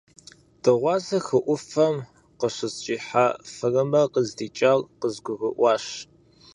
Дыгъуасэ хы Ӏуфэм къыщысщӀихьа фырымэр къыздикӀар къызгурыӀуащ.